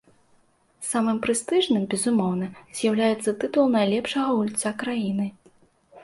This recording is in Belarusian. Самым прэстыжным, безумоўна, з'яўляецца тытул найлепшага гульца краіны.